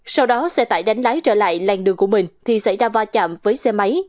sau đó xe tải đánh lái trở lại làng đường của mình thì xảy ra va chạm với xe máy